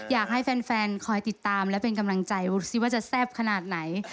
อยากให้แฟนคอยติดตามและเป็นกำลังใจสิว่าจะแซ่บขนาดไหน